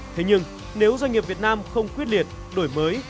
thế nhưng nếu doanh nghiệp việt nam không quyết liệt đổi mới